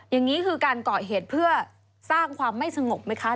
อย่างนี้คือการก่อเหตุเพื่อสร้างความไม่สงบไหมคะ